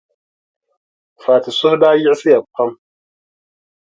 Fati suhu daa yiɣisiya pam.